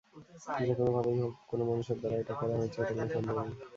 যেকোনোভাবেই হোক কোনো মানুষের দ্বারা এটা করা হয়েছে, এতে কোনো সন্দেহ নেই।